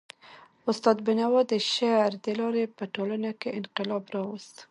استاد بینوا د شعر د لاري په ټولنه کي انقلاب راوست.